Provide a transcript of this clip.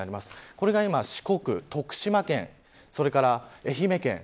これが今、四国、徳島県それから愛媛県。